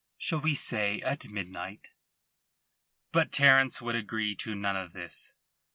Shall we say at midnight?" But Sir Terence would agree to none of this.